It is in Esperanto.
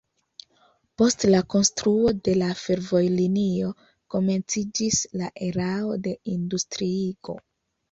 Post la konstruo de la fervojlinio komenciĝis la erao de industriigo.